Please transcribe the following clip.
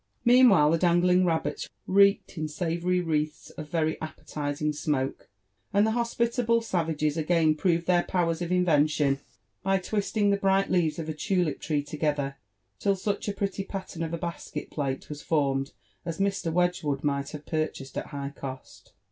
Meanwhile the dangling rabbits reeked in savoury wreaths of very appetising smoke, and the hospitable savages again proved their powen of invention by twisting the bright leaves of a tulip tree together, till such a pretty pattern of a basket plale was formed as Mr. Wedgwood might have purchased at high cost.